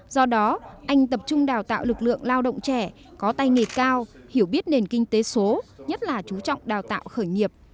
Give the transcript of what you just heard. do đó anh tập trung đào tạo lực lượng lao động trẻ có tay nghề cao hiểu biết nền kinh tế số nhất là chú trọng đào tạo khởi nghiệp